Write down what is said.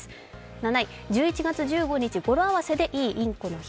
７位、１１月１５日、語呂合わせで、いいインコの日。